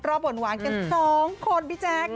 รอบหวานกัน๒คนพี่แจ็ก